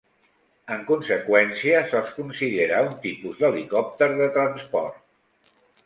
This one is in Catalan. En conseqüència, se"ls considera un tipus d"helicòpter de transport.